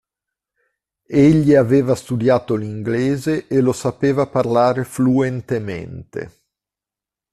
Egli aveva studiato l'inglese e lo sapeva parlare fluentemente.